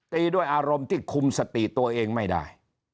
ตีด้วยอารมณ์ที่คุมสติตัวเองไม่ได้